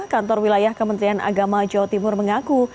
kantor wilayah kementerian agama jawa timur mengaku